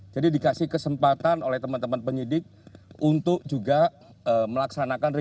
jadi dikasih kesempatan oleh teman teman penyidik untuk juga melaksanakan